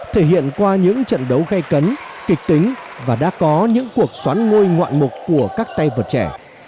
thể hiện qua những trận đấu gây cấn kịch tính và đã có những cuộc xoắn môi ngoạn mục của các tay vợt trẻ